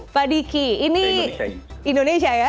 pak diki ini indonesia ya